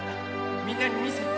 みんなにみせて。